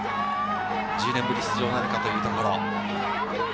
１０年ぶり出場なるかというところ。